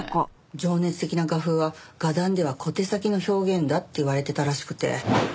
情熱的な画風は画壇では小手先の表現だっていわれていたらしくて。